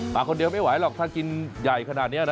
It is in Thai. มาคนเดียวไม่ไหวหรอกถ้ากินใหญ่ขนาดนี้